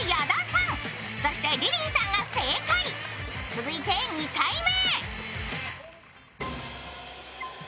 続いて２回目。